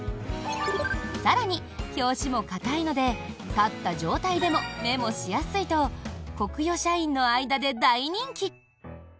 更に表紙も硬いので立った状態でもメモしやすいとコクヨ社員の間で大人気。